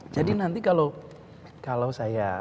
jadi nanti kalau saya